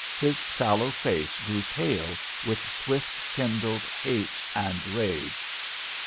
His sallow face grew pale with swift kindled hate and rage.